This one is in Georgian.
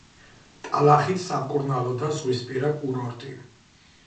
ტალახით სამკურნალო და ზღვისპირა კურორტი.